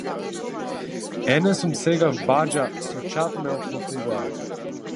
Ене сум сега в баџа со чад ме оклопуваат.